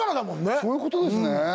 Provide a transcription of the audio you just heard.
そういうことですね